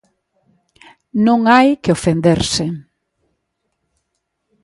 Non hai que ofenderse.